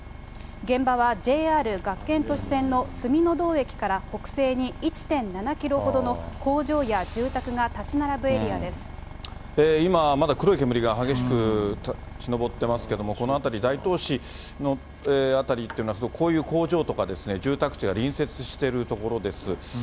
現場はＪＲ学研都市線の住道駅から北西に１．７キロほどの工場や今、まだ黒い煙が激しく立ち上ってますけれども、この辺り、大東市の辺りというのはこういう工場とか住宅地が隣接してる所です。